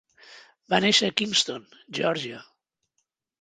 Va néixer a Kingston, Geòrgia.